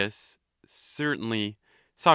Certainly. Soc.